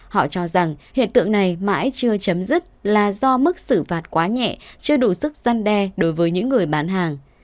họ cho rằng hiện tượng này mãi chưa chấm dứt là do mức xử phạt quá nhẹ chưa đủ sức gian đe đối với những người bán hàng